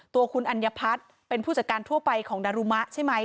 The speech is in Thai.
ตัวคุณอัญพัฒน์เป็นผู้จัดการทั่วไปของดารุมะใช่ไหม